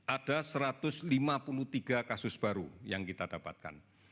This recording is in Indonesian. ada satu ratus lima puluh tiga kasus baru yang kita dapatkan